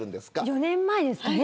４年前ですかね。